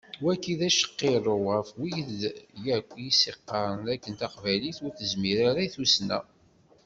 Wagi d acqirrew ɣef wid yakk i as-iqqaren d akken taqbaylit ur tezmir ara i tussna.